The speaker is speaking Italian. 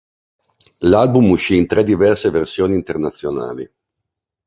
L'album uscì in tre diverse versioni internazionali.